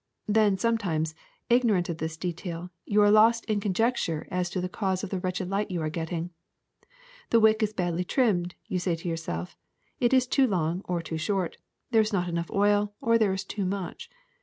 Then sometimes, ignorant of this detail, you are lost in conjecture as to the cause of the wretched light you are getting. The wick is badly trimmed, you say to yourself, it is too long or too short, there is not enough oil, or there is too much.